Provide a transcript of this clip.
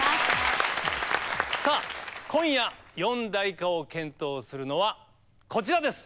さあ今夜四大化を検討するのはこちらです。